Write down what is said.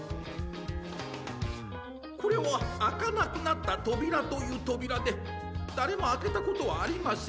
これはあかなくなったとびらというとびらでだれもあけたことはありません。